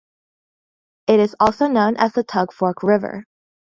It is also known as the Tug Fork River.